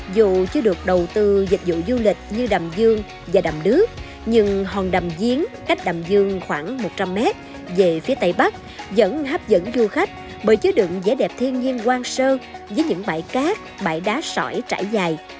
dù chưa được đầu tư dịch vụ du lịch như đầm dương và đầm đước nhưng hòn đầm giếng cách đầm dương khoảng một trăm linh mét về phía tây bắc vẫn hấp dẫn du khách bởi chứa đựng vẻ đẹp thiên nhiên quang sơ với những bãi cát bãi đá sỏi trải dài